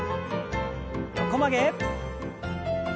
横曲げ。